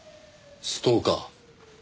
ストーカー？